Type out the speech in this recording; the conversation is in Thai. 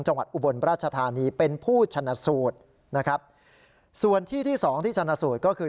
อุบลราชธานีเป็นผู้ชนะสูตรนะครับส่วนที่ที่สองที่ชนะสูตรก็คือ